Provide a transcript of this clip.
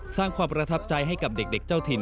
สร้างความประทับใจให้กับเด็กเจ้าถิ่น